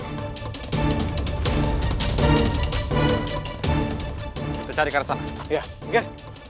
kita cari karakter